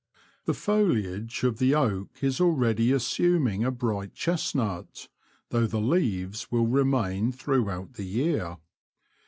The foliage of the oak is already as suming a bright chestnut, though the leaves will remain throughout the year.